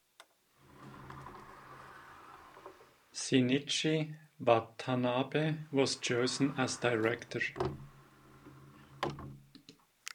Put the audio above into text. Shinichi Watanabe was chosen as director.